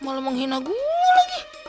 malah menghina gue lagi